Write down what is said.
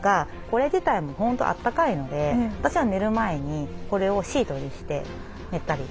これ自体も本当あったかいので私は寝る前にこれをシートにして寝たり。